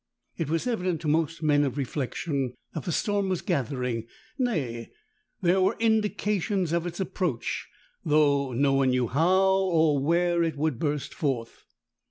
It was evident to most men of reflection, that the storm was gathering: nay, there were indications of its approach, though no one knew how or where it would burst forth.